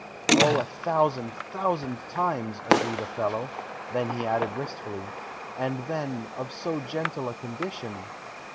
"O, a thousand, thousand times," agreed Othello; then he added wistfully: "And, then, of so gentle a condition!"